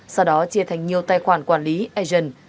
sau đó chia thành nhiều tài khoản quản lý agent